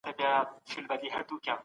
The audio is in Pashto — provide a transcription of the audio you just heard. د کار وخت څنګه ټاکل کيږي؟